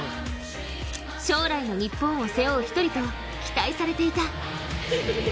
将来の日本を背負う一人と期待されていた。